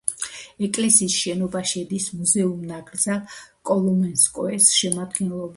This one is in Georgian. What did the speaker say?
ეკლესიის შენობა შედის მუზეუმ-ნაკრძალ კოლომენსკოეს შემადგენლობაში.